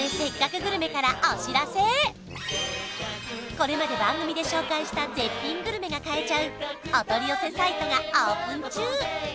これまで番組で紹介した絶品グルメが買えちゃうお取り寄せサイトがオープン中